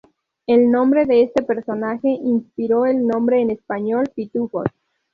El nombre de este personaje inspiró el nombre en español "Pitufos".